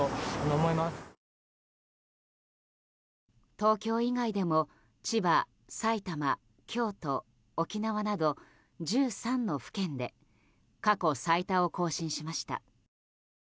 東京以外でも千葉、埼玉、京都、沖縄など１３の府県で過去最多を更新しました。